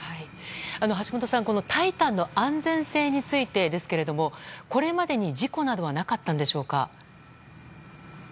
橋本さん、「タイタン」の安全性についてですがこれまでに事故などはなかったのでしょうか。